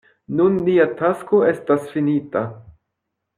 Nun nia tasko estas finita.